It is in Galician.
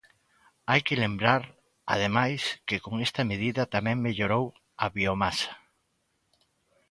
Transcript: Hai que lembrar, ademais, que con esta medida tamén mellorou a biomasa.